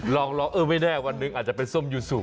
ลองเออไม่แน่วันหนึ่งอาจจะเป็นส้มยูซู